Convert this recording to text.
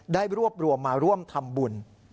ได้รวบรวมมาร่วมทำบุญ